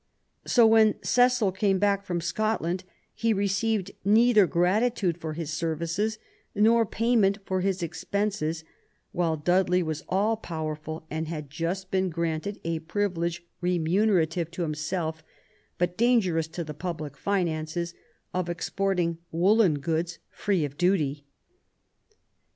So, when Cecil came back from Scotland, he received neither gratitude for his services nor payment for his expenses, while Dudley was all powerful and had just been granted a privilege, re munerative to himself, but dangerous to the public finances, of exporting woollen goods free of duty.